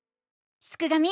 すくがミ！